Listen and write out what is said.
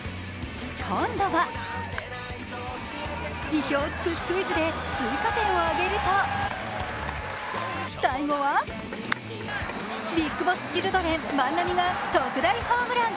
今度は意表を突くスクイズで追加点を挙げると最後はＢＩＧＢＯＳＳチルドレン・万波が特大ホームラン。